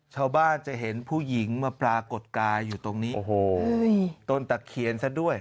ชาวบ้านจะเห็นผู้หญิงมาปรากฏกายอยู่ตรงนี้โอ้โหต้นตะเคียนซะด้วย